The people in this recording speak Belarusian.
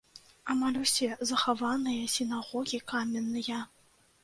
Амаль усе захаваныя сінагогі каменныя.